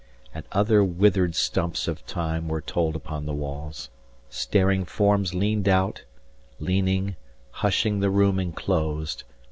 And other withered stumps of time Were told upon the walls; staring forms 105 Leaned out, leaning, hushing the room enclosed.